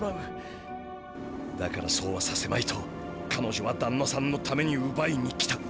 だからそうはさせまいとかのじょはだんなさんのためにうばいに来た。